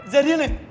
di jadian ya